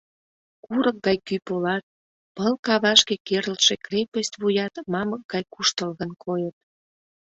Курык гай кӱ полат, пыл кавашке керылтше крепость вуят мамык гай куштылгын койыт.